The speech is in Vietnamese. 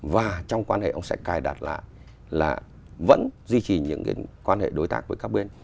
và trong quan hệ ông sẽ cài đặt lại là vẫn duy trì những cái quan hệ đối tác với các bên